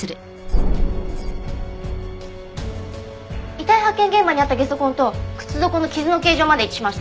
遺体発見現場にあったゲソ痕と靴底の傷の形状まで一致しました。